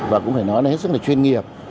và cũng phải nói là hết sức là chuyên nghiệp